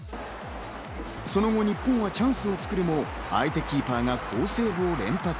その後、日本はチャンスを作るも相手キーパーが好セーブを連発。